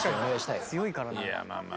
いやまあまあまあ。